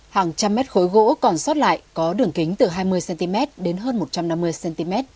hàng trăm mét khối gỗ còn sót lại có đường kính từ hai mươi cm đến hơn một trăm năm mươi cm